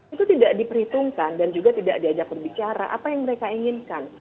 itu tidak diperhitungkan dan juga tidak diajak berbicara apa yang mereka inginkan